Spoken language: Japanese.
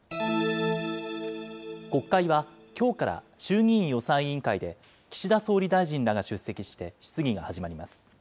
国会は、きょうから衆議院予算委員会で岸田総理大臣らが出席して質疑が始まります。